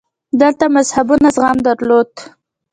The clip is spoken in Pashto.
دلته مذهبونو زغم درلود